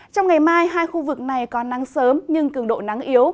trong ngày mai hai khu vực này còn nắng sớm nhưng cường độ nắng yếu